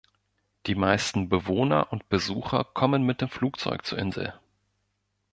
Die meisten Bewohner und Besucher kommen mit dem Flugzeug zur Insel.